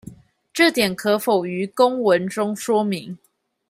這點可否於公文中說明